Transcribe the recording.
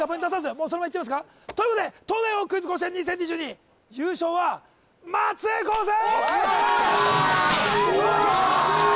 もうそのままいっちゃいますか？ということで東大王クイズ甲子園２０２２優勝は松江高専！